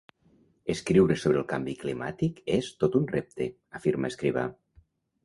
Escriure sobre canvi climàtic és tot un repte –afirma Escrivà–.